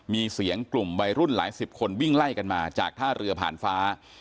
มีเสียงกลุ่มวัยรุ่นหลายสิบคนวิ่งไล่กันมาจากท่าเรือผ่านฟ้า